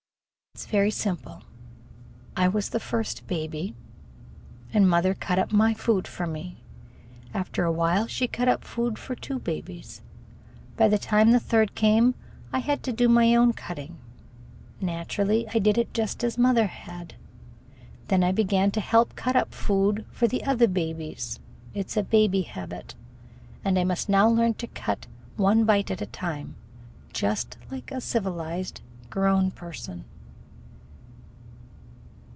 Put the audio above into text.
"It 's very simple. I was the first baby, and mother cut up my food for me. After a while she cut up food for two babies. By the time the third came, I had to do my own cutting. Naturally, I did it just as mother had. Then I began to help cut up food for the other babies. It 's a baby habit. And I must now learn to cut one bite at a time like a civilized grown person."